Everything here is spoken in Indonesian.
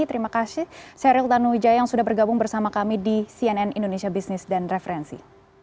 terima kasih seril tanuwijaya yang sudah bergabung bersama kami di cnn indonesia business dan referensi